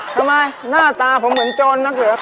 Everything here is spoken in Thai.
ทำไมหน้าตาผมเหมือนโจรนักเหรอ